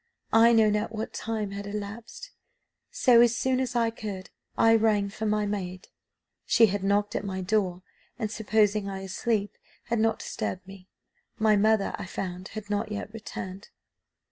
I know not what time had elapsed; so as soon as I could I rang for my maid; she had knocked at my door, and, supposing I slept, had not disturbed me my mother, I found, had not yet returned.